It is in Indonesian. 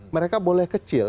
mereka boleh kecil